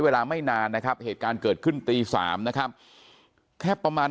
เวลาไม่นานนะครับเหตุการณ์เกิดขึ้นตี๓นะครับแค่ประมาณ